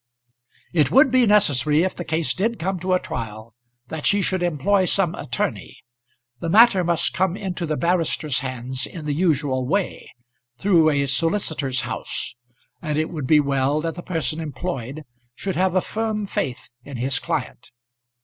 It would be necessary, if the case did come to a trial, that she should employ some attorney. The matter must come into the barrister's hands in the usual way, through a solicitor's house, and it would be well that the person employed should have a firm faith in his client.